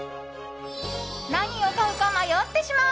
何を買うか迷ってしまう！